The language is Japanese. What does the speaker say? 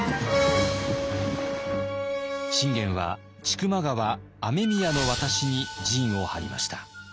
信玄は千曲川雨宮の渡しに陣を張りました。